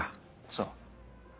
そう。